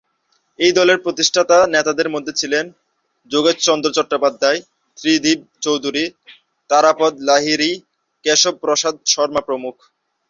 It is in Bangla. এই দলের প্রতিষ্ঠাতা নেতাদের মধ্যে ছিলেন যোগেশচন্দ্র চট্টোপাধ্যায়, ত্রিদিব চৌধুরী, তারাপদ লাহিড়ী, কেশব প্রসাদ শর্মা প্রমুখ।